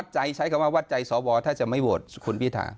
ใจใช้คำว่าวัดใจสวถ้าจะไม่โหวตคุณพิธา